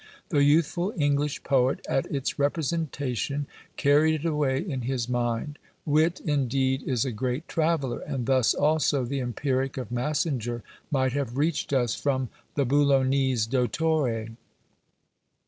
The youthful English poet, at its representation, carried it away in his mind. Wit indeed is a great traveller; and thus also the "Empiric" of Massinger might have reached us from the Bolognese "Dottore."